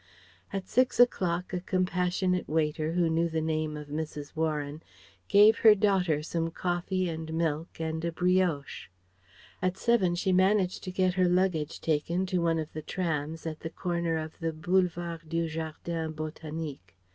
At six o'clock a compassionate waiter who knew the name of Mrs. Warren gave her daughter some coffee and milk and a brioche. At seven she managed to get her luggage taken to one of the trams at the corner of the Boulevard du Jardin Botanique.